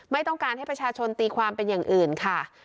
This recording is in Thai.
ไม่ต้องการให้ประชาชนตีความเป็นอย่างอื่นค่ะ